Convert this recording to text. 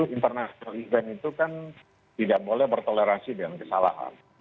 event internasional itu kan tidak boleh bertolerasi dengan kesalahan